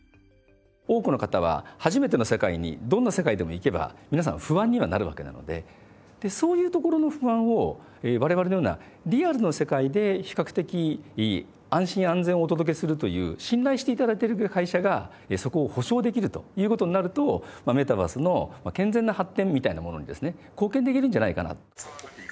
多くの方は初めての世界にどんな世界でも行けば皆さん不安にはなるわけなのででそういうところの不安を我々のようなリアルの世界で比較的安心・安全をお届けするという信頼して頂いてる会社がそこを保証できるということになるとまあメタバースの健全な発展みたいなものにですね貢献できるんじゃないかなと。